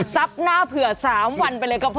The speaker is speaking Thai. ซับหน้าเผื่อ๓วันไปเลยกับพ่อ